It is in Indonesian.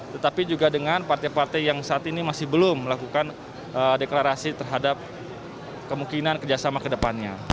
tetapi juga dengan partai partai yang saat ini masih belum melakukan deklarasi terhadap kemungkinan kerjasama ke depannya